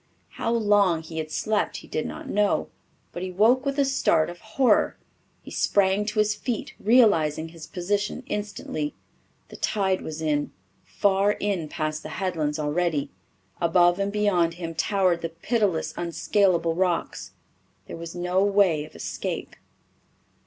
How long he had slept he did not know, but he woke with a start of horror. He sprang to his feet, realizing his position instantly. The tide was in far in past the headlands already. Above and beyond him towered the pitiless unscalable rocks. There was no way of escape.